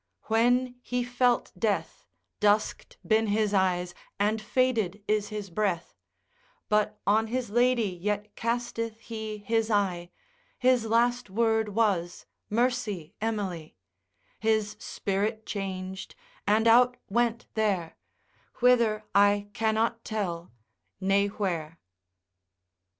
———when he felt death, Dusked been his eyes, and faded is his breath But on his lady yet casteth he his eye, His last word was, mercy Emely, His spirit chang'd, and out went there, Whether I cannot tell, ne where.